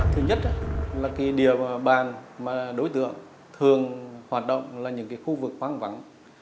thứ nhất là địa bàn mà đối tượng thường hoạt động là những khu vực hoang vắng